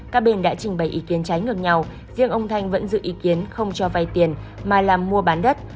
các bên đã trình bày ý kiến trái ngược nhau riêng ông thanh vẫn dự ý kiến không cho vay tiền mà làm mua bán đất